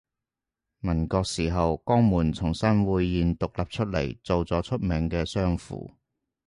民國時候江門從新會縣獨立出嚟做咗出名嘅商埠